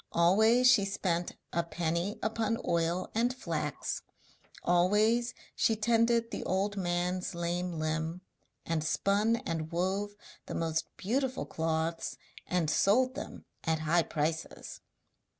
Always she spent a penny upon oil and flax, always she tended the old man's lame limb, and spun and wove the most beautiful cloths and sold them at high prices.